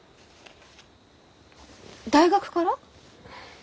大学から？